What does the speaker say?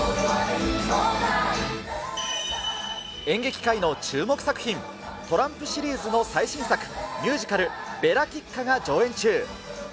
演劇界の注目作品、トランプシリーズの最新作、ミュージカル、ヴェラキッカが上演中。